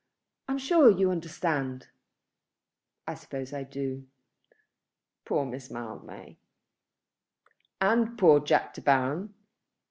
I am sure you understand." "I suppose I do. Poor Miss Mildmay!" "And poor Jack De Baron!"